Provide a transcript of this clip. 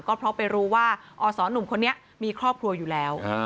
ก็เพราะไปรู้ว่าอศหนุ่มคนนี้มีครอบครัวอยู่แล้ว